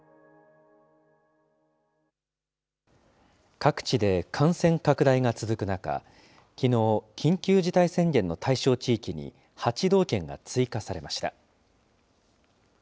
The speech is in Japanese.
各地で感染拡大が続く中、きのう、緊急事態宣言の対象地域に８道県が追加されました。